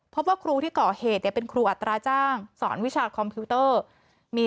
พบว่าครูที่ก่อเหตุเป็นครูอัตราจ้างสอนวิชาคอมพิวเตอร์